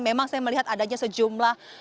memang saya melihat adanya sejumlah